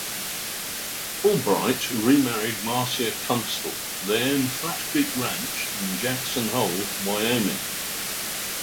Albright remarried Marcia Kunstel; they own Flat Creek Ranch in Jackson Hole, Wyoming.